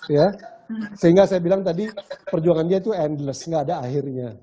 ya sehingga saya bilang tadi perjuangannya itu endless gak ada akhirnya